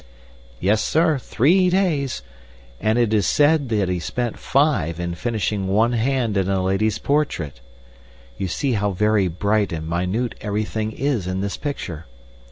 "Yes, sir, three days. And it is said that he spent five in finishing one hand in a lady's portrait. You see how very bright and minute everything is in this picture.